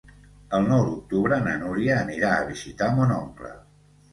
El nou d'octubre na Núria anirà a visitar mon oncle.